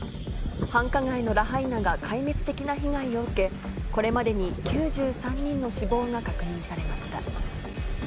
繁華街のラハイナが壊滅的な被害を受け、これまでに９３人の死亡が確認されました。